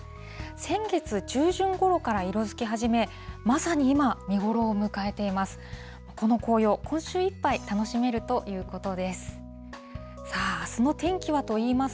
先月中旬ごろから色づき始め、まさに今、見頃を迎えています。